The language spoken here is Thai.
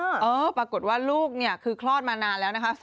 เออปรากฏว่าลูกเนี่ยคือคลอดมานานแล้วนะคะ